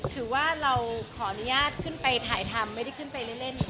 ถือว่าเราขออนุญาตขึ้นไปถ่ายทำไม่ได้ขึ้นไปเล่น